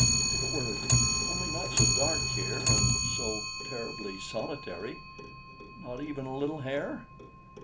If it were only not so dark here, and so terribly solitary! not even a little hare?